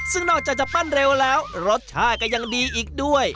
ซึ่งนอกจากจะปั้นเร็วแล้วรสชาติก็ยังดีอีกด้วย